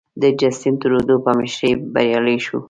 د جسټین ترودو په مشرۍ بریالی شو.